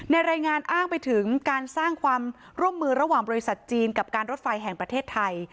รายงานอ้างไปถึงการสร้างความร่วมมือระหว่างบริษัทจีนกับการรถไฟแห่งประเทศไทย